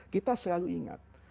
kita selalu ingat